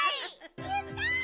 ・やった！